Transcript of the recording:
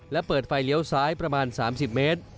และเปิดไฟเลี้ยวซ้ายประมาณ๓๐เมตร